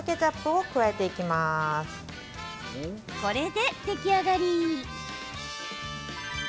これで出来上がり。